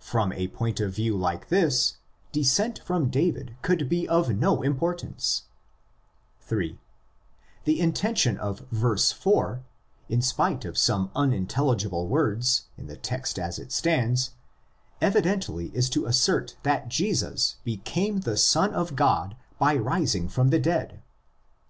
From a point of view like this, descent from David could be of no importance. (8) The intention of verse 4, in spite of some unintel legible words (ἐν δυνάμει κατὰ πνεῦμα ἁγιωσύνης) in the text as it stands, evidently is to assert that Jesus became the Son of God by rising from the dead.